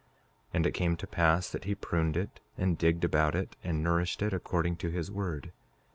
5:5 And it came to pass that he pruned it, and digged about it, and nourished it according to his word.